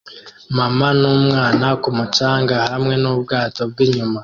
Mama n'umwana ku mucanga hamwe nubwato bwinyuma